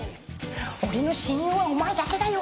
俺の親友はお前だけだよ。